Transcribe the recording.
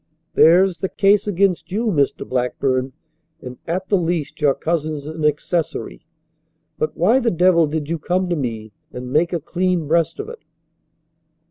"There's the case against you, Mr. Blackburn, and at the least your cousin's an accessory. But why the devil did you come to me and make a clean breast of it?"